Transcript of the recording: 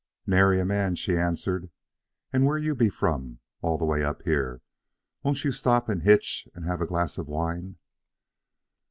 "Nary a man," she answered. "And where be you from, and all the way up here? Won't you stop and hitch and have a glass of wine?"